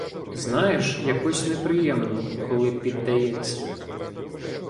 — Знаєш, якось неприємно, коли піддається.